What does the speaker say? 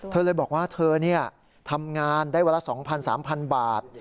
เธอเลยบอกว่าเธอนี่ทำงานได้เวลา๒๐๐๐๓๐๐๐บาท